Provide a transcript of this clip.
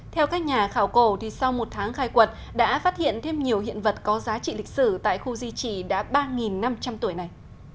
theo các nhà khảo cổ sau một tháng khai quật đã phát hiện thêm nhiều hiện vật có giá trị lịch sử tại khu di trì đã ba năm trăm linh tuổi này